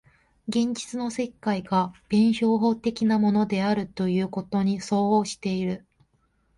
現実の世界が弁証法的なものであるということに相応している。